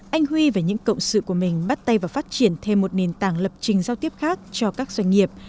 anh huy và những cộng sự của mình bắt tay vào phát triển thêm một nền tảng lập trình giao tiếp khác cho các doanh nghiệp